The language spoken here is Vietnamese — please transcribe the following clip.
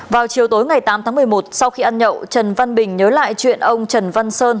vào chiều tối ngày tám tháng một mươi một sau khi ăn nhậu trần văn bình nhớ lại chuyện ông trần văn sơn